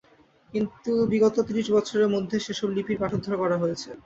কিন্তু বিগত ত্রিশ বৎসরের মধ্যে সে-সব লিপির পাঠোদ্ধার করা হয়েছে।